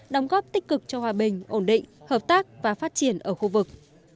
đóng góp tích cực cho hòa bình ổn định hợp tác và phát triển ở khu vực